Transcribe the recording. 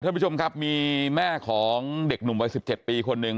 ท่านผู้ชมครับมีแม่ของเด็กหนุ่มวัย๑๗ปีคนหนึ่ง